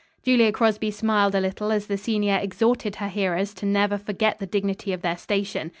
Julia Crosby smiled a little as the senior exhorted her hearers to never forget the dignity of their station.